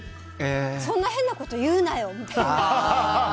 そんな変なこと言うなよみたいな。